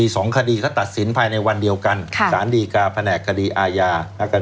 สองคดีเขาตัดสินภายในวันเดียวกันสารดีกาแผนกคดีอาญา